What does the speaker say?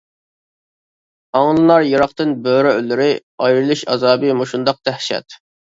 ئاڭلىنار يىراقتىن بۆرە ئۈنلىرى، ئايرىلىش ئازابى مۇشۇنداق دەھشەت.